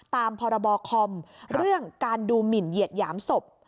ตามพรบคอมเรื่องการดูหมินเหยียดหยามศพ